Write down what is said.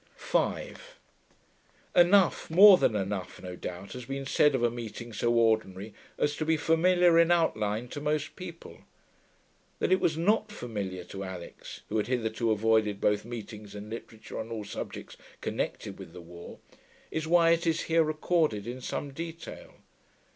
5 Enough, more than enough, no doubt, has been said of a meeting so ordinary as to be familiar in outline to most people. That it was not familiar to Alix, who had hitherto avoided both meetings and literature on all subjects connected with the war, is why it is here recorded in some detail.